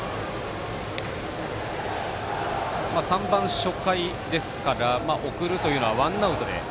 ３番初回ですから送るというのはワンアウトで。